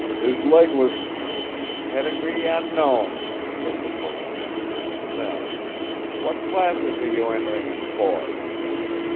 His leg was " "Pedigree unknown," wrote the postmaster; then, "What classes are you entering him for?"